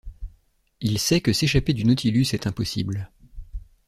Il sait que s’échapper du Nautilus est impossible.